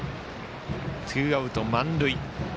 ツーアウト満塁。